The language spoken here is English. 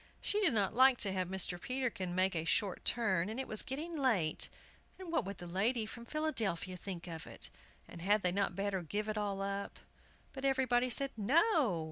She did not like to have Mr. Peterkin make a short turn, and it was getting late, and what would the lady from Philadelphia think of it, and had they not better give it all up? But everybody said "No!"